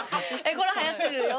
これはやってるよ。